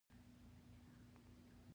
نجلۍ د زړورتیا سمبول ده.